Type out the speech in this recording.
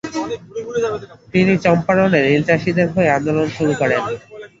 তিনি চম্পারণে নীলচাষীদের হয়ে আন্দোলন শুরু করেন।